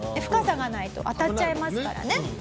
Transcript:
深さがないと当たっちゃいますからね。